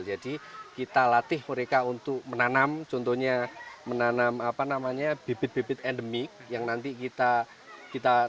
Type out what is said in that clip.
jadi kita latih mereka untuk menanam contohnya menanam bibit bibit endemik yang nanti kita lakukan